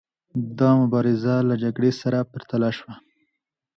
دا مبارزه له جګړې سره پرتله شوه.